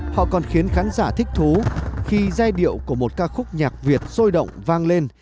họ còn khiến khán giả thích thú khi giai điệu của một ca khúc nhạc việt sôi động vang lên